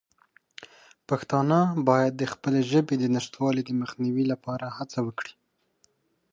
پښتانه باید د خپلې ژبې د نشتوالي د مخنیوي لپاره هڅه وکړي.